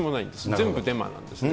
全部デマなんですね。